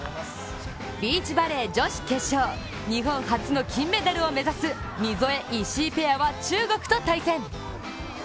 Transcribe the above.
ビーチバレー女子決勝、日本初の金メダルを目指す溝江・石井ペアは中国と対戦。